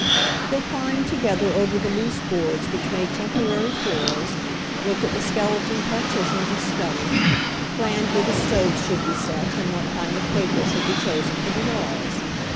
They climbed together over the loose boards which made temporary floors, looked at the skel eton partitions of studding, planned where the stoves should be set and what kind of paper should be chosen for the walls.